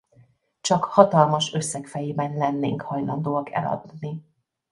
Csak hatalmas összeg fejében lennénk hajlandóak eladni.